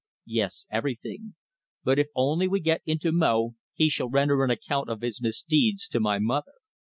"Yes, everything. But if only we get into Mo he shall render an account of his misdeeds to my mother.